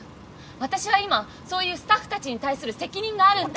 私は今そういうスタッフたちに対する責任があるんだよ。